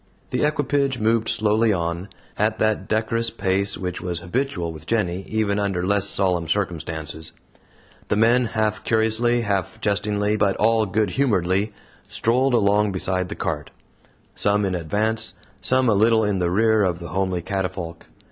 The equipage moved slowly on, at that decorous pace which was habitual with "Jenny" even under less solemn circumstances. The men half curiously, half jestingly, but all good humoredly strolled along beside the cart; some in advance, some a little in the rear of the homely catafalque.